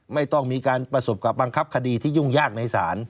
ไม่ต้องมีการประสบกับบังคับคดีที่ยุ่งยากในศาล